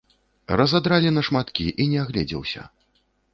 Разадралі на шматкі, і не агледзеўся.